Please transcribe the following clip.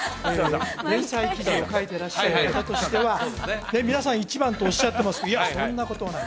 連載記事を書いてらっしゃる方としては皆さん１番とおっしゃってますがいやそんなことはない